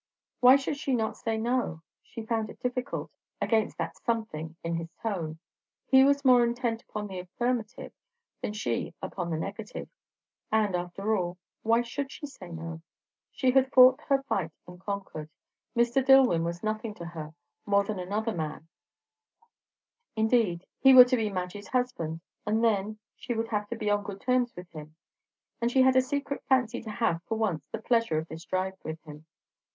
Why should she not say no? She found it difficult, against that something in his tone. He was more intent upon the affirmative than she upon the negative. And after all, why should she say no? She had fought her fight and conquered; Mr. Dillwyn was nothing to her, more than another man; unless, indeed, he were to be Madge's husband, and then she would have to be on good terms with, him. And she had a secret fancy to have, for once, the pleasure of this drive with him.